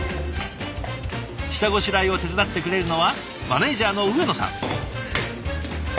下ごしらえを手伝ってくれるのはマネージャーの上野さん。